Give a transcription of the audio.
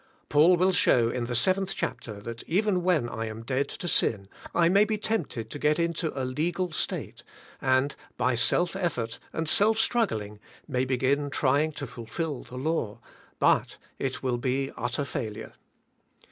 Paul will show in the 7th chapter that even when I am dead to sin I may be tempted to get into a legal state, and by self ef fort and self struggling may begin trying to fulfill 198 THK SPIRITUAL LIFK. the law; but it will be utter failure.